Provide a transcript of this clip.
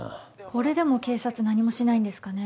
これでも警察何もしないんですかね。